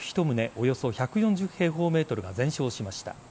およそ１４０平方ｍが全焼しました。